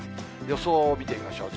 予想を見てみましょう。